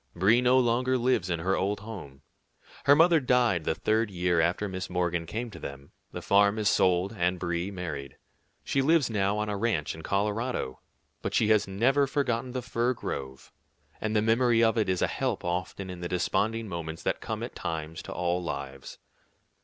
Brie no longer lives in her old home. Her mother died the third year after Miss Morgan came to them, the farm is sold, and Brie married. She lives now on a ranch in Colorado, but she has never forgotten the fir grove, and the memory of it is a help often in the desponding moments that come at times to all lives.